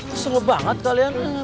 kesel banget kalian